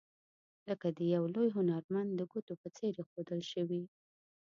لکه د یو لوی هنرمند د ګوتو په څیر ایښودل شوي.